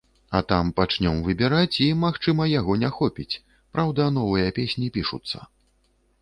А там пачнём выбіраць і, магчыма, яго не хопіць, праўда новыя песні пішуцца.